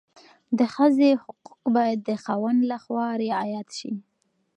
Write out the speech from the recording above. د ښځې حقوق باید د خاوند لخوا رعایت شي.